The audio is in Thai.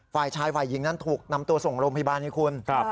ฝ่ายชายฝ่ายหญิงนั้นถูกนำตัวส่งโรงพยาบาลให้คุณ